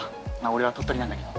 俺は鳥取なんだけど。